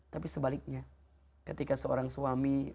tapi sebaliknya ketika seorang suami